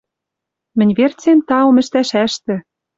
Мӹнь верцем таум ӹштӓш ӓштӹ...»